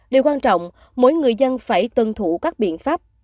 điều quan trọng mỗi người dân phải tuân thủ các biện pháp